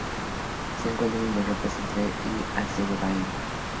Se encuentra en Europa Central y en Azerbaiyán.